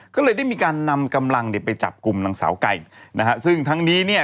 ก็เลยได้มีการนำกำลังเนี่ยไปจับกลุ่มนางสาวไก่นะฮะซึ่งทั้งนี้เนี่ย